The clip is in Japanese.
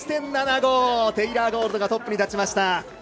テイラー・ゴールドがトップに立ちました。